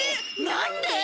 なんで！？